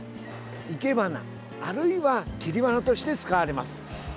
生け花、あるいは切り花として使われます。